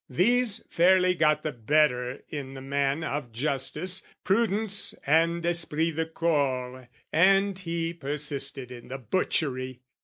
"These fairly got the better in the man "Of justice, prudence, and esprit de corps, "And he persisted in the butchery.